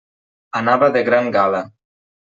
Anava de gran gala.